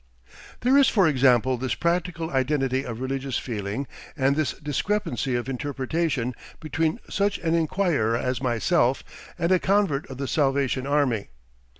There is for example this practical identity of religious feeling and this discrepancy of interpretation between such an inquirer as myself and a convert of the Salvation Army.